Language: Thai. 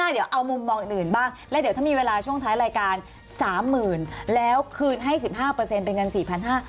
เอามุมมองอื่นบ้างแล้วเดี๋ยวถ้ามีเวลาช่วงท้ายรายการ๓๐๐๐๐แล้วคืนให้๑๕เป็นเงิน๔๕๐๐